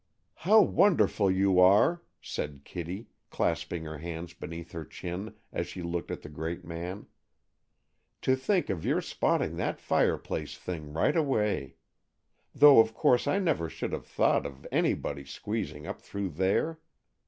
"How wonderful you are!" said Kitty, clasping her hands beneath her chin as she looked at the great man. "To think of your spotting that fireplace thing right away! Though of course I never should have thought of anybody squeezing up through there.